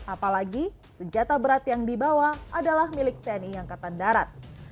apalagi senjata berat yang dibawa adalah milik tni angkatan darat